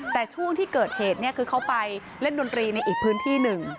แต่ช่วงที่เกิดเหตุคือเขาไปเล่นดนตรีในอีกพื้นที่หนึ่ง